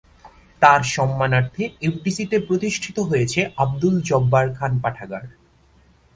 তার সম্মানার্থে এফডিসি-তে প্রতিষ্ঠিত হয়েছে আবদুল জব্বার খান পাঠাগার।